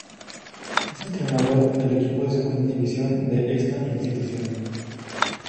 Es entrenador del equipo de Segunda División de esta institución.